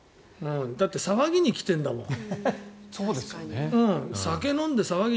だって騒ぎに来てるんだもん。